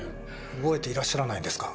覚えていらっしゃらないんですか？